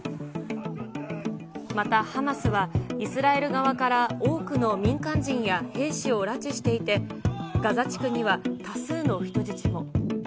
またハマスは、イスラエル側から多くの民間人や兵士を拉致していて、ガザ地区には多数の人質も。